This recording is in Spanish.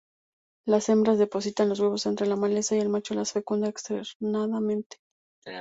Las hembras depositan los huevos entre la maleza y el macho los fecunda externamente.